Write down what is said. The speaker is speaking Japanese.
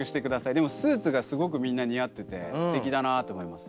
でもスーツがすごくみんな似合っててすてきだなと思います。